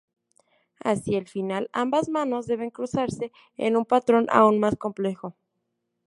Hacia el final ambas manos deben cruzarse en un patrón aún más complejo.